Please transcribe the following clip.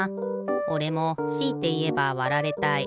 おれもしいていえばわられたい。